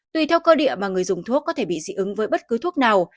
tùy theo cơ địa mà người dùng thuốc có thể bị dị ứng với bất cứ thuốc nào